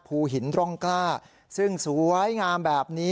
ภูหินร่องกล้าซึ่งสวยงามแบบนี้